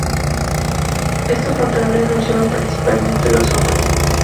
Estos pantalones los llevan principalmente los hombres.